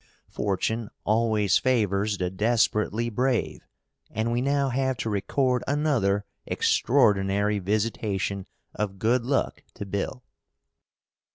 Fortune always favors the desperately brave, and we now have to record another extraordinary visitation of good luck to Bill.